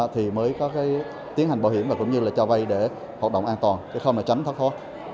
thì mới có tiến hành bộ hiểm và cũng như cho vay để hoạt động an toàn chứ không là tránh thất thoát